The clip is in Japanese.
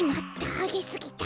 あげすぎた。